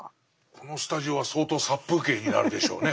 このスタジオは相当殺風景になるでしょうね。